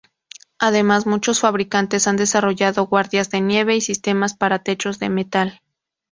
Además, muchos fabricantes han desarrollado guardias de nieve y sistemas para techos de metal.